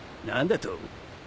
何だと？